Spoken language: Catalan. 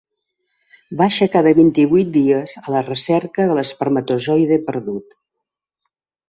Baixa cada vint-i-vuit dies a la recerca de l'espermatozoide perdut.